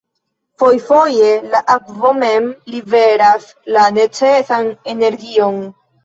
Fojfoje la akvo mem liveras la necesan energion.